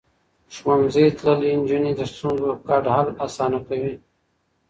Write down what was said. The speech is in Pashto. ښوونځی تللې نجونې د ستونزو ګډ حل اسانه کوي.